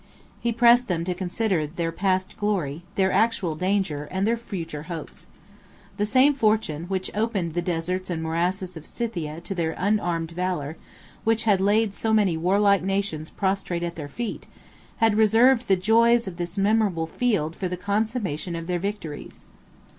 43 He pressed them to consider their past glory, their actual danger, and their future hopes. The same fortune, which opened the deserts and morasses of Scythia to their unarmed valor, which had laid so many warlike nations prostrate at their feet, had reserved the joys of this memorable field for the consummation of their victories.